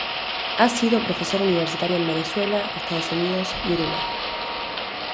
Ha sido profesor universitario en Venezuela, Estados Unidos y Uruguay.